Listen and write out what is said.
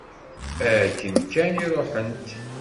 Akken kan i ruḥent.